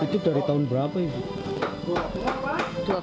itu dari tahun berapa ibu